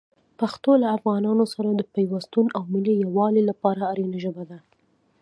پښتو له افغانانو سره د پیوستون او ملي یووالي لپاره اړینه ژبه ده.